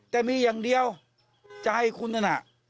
แต่มีอย่างเดียวจะให้คุณน่ะ